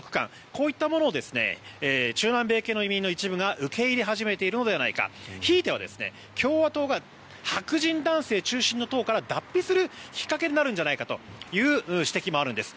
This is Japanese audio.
こういったものが中南米系の移民の一部が受け入れ始めているのではないかひいては共和党が白人男性中心の党から脱皮するきっかけになるんじゃないかという指摘もあるんです。